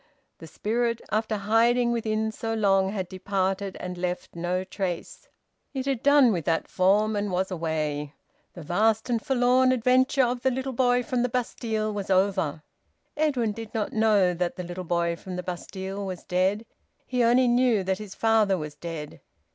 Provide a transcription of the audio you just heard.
The spirit, after hiding within so long, had departed and left no trace. It had done with that form and was away. The vast and forlorn adventure of the little boy from the Bastille was over. Edwin did not know that the little boy from the Bastille was dead. He only knew that his father was dead.